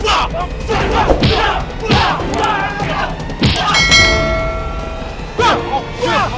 apa jangan kedekat kenapa